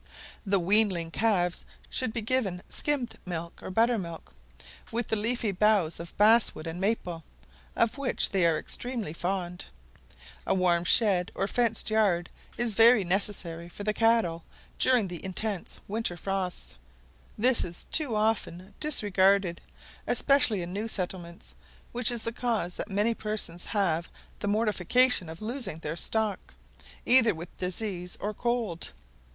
The weanling calves should be given skimmed milk or buttermilk, with the leafy boughs of basswood and maple, of which they are extremely fond. A warm shed or fenced yard is very necessary for the cattle during the intense winter frosts: this is too often disregarded, especially in new settlements, which is the cause that many persons have the mortification of losing their stock, either with disease or cold.